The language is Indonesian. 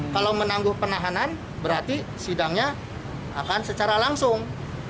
kalau menangguh penahanan berarti sidangnya akan secara langsung